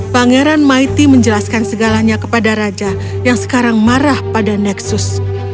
pangeran maiti menjelaskan segalanya kepada raja yang sekarang marah pada nexus